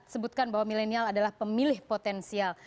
sebutkan bahwa milenial adalah pemilih potensial